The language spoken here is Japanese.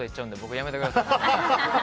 やめてください。